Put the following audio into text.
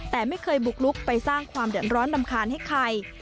แต่ไม่เคยบุกลุกไปสร้างความเดือดร้อนรำคาญให้ใคร